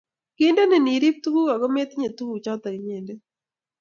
Kindenen irib tuguk ago metinye tuguchoto inyendet